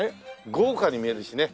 豪華に見えるしね。